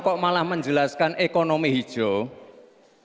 kok malah menjelaskan ekonomi hijau